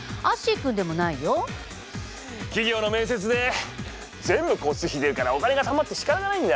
企業の面接で全部交通費出るからお金がたまってしかたがないんだ。